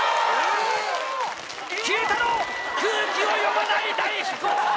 Ｑ太郎空気を読まない大飛行！